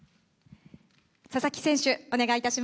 佐々木選手、お願いいたし